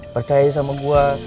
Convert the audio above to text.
percaya sama gue